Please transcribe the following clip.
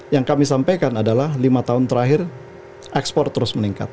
yang kami sampaikan adalah lima tahun terakhir ekspor terus meningkat